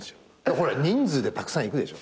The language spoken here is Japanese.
ほら人数でたくさん行くでしょ。